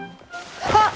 あっ！